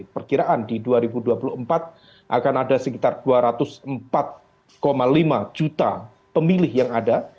perkiraan di dua ribu dua puluh empat akan ada sekitar dua ratus empat lima juta pemilih yang ada